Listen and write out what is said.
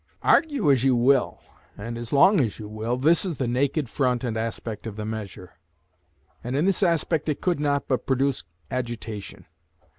Argue as you will, and as long as you will, this is the naked front and aspect of the measure; and in this aspect it could not but produce agitation.